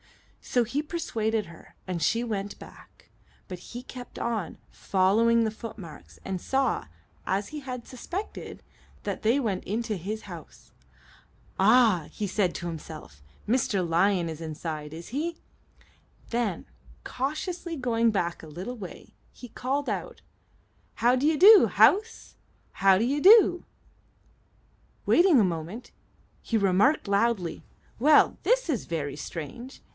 So he persuaded her, and she went back; but he kept on, following the footmarks, and saw as he had suspected that they went into his house. "Ah!" said he to himself, "Mr. Lion is inside, is he?" Then, cautiously going back a little way, he called out: "How d'ye do, house? How d'ye do?" Waiting a moment, he remarked loudly: "Well, this is very strange!